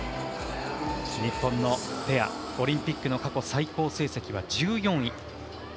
日本のペア、オリンピックの過去最高成績は１４位。